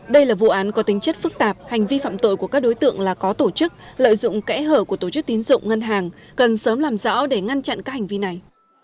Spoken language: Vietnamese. đây là vụ án có tính chất phức tạp hành vi phạm tội của các đối tượng là có tổ chức lợi dụng kẽ hở của tổ chức tín dụng ngân hàng cần sớm làm rõ để ngăn chặn các hành vi này